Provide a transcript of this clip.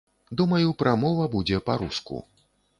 Думаю, прамова будзе па-руску.